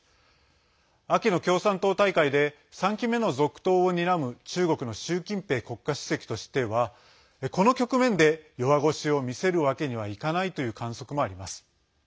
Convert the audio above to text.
秋の共産党大会で３期目の続投をにらむ中国の習近平国家主席としてはこの局面で弱腰を見せるわけにはいかないという観測もあります。